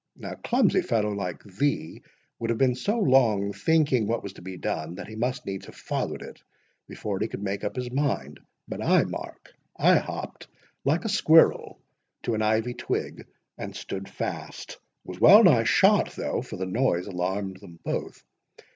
A clumsy fellow like thee would have been so long thinking what was to be done, that he must needs have followed it before he could make up his mind; but I, Mark, I hopped like a squirrel to an ivy twig, and stood fast—was wellnigh shot, though, for the noise alarmed them both.